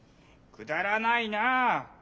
くだらないなあ。